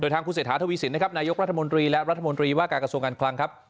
ทางคุณเศรษฐาทวีสินนะครับนายกรัฐมนตรีและรัฐมนตรีว่าการกระทรวงการคลังครับ